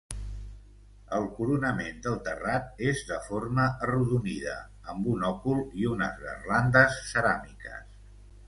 El coronament del terrat és de forma arrodonida amb un òcul i unes garlandes ceràmiques.